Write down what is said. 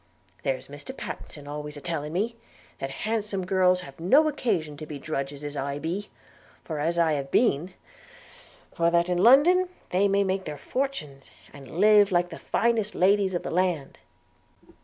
There's Mr Pattenson always a telling me, that handsome girls have no occasion to be drudges as I be, or as I have been; for that in London they may make their fortunes, and live like the finest ladies of the land.'